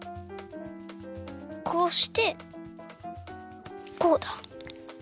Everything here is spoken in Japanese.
こうしてこうだ。